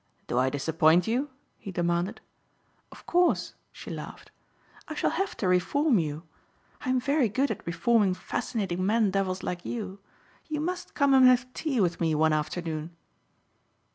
"Do I disappoint you?" he demanded. "Of course," she laughed, "I shall have to reform you. I am very good at reforming fascinating man devils like you. You must come and have tea with me one afternoon."